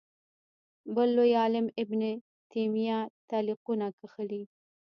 بل لوی عالم ابن تیمیه تعلیقونه کښلي